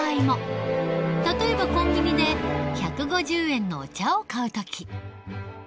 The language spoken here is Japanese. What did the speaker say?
例えばコンビニで１５０円のお茶を買う時。